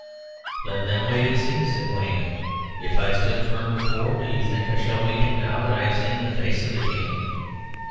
"Let them wait and see," said Wayne. "If I stood firm before, do you think I shall weaken now that I have seen the face of the King?